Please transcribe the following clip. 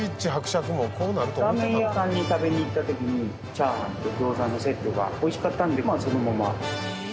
ラーメン屋さんに食べに行った時にチャーハンと餃子のセットが美味しかったのでそのまま。